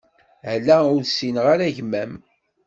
Ala, ur ssineɣ ara gma-m.